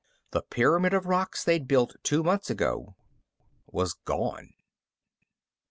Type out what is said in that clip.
The pyramid of rocks they'd built two months ago was gone!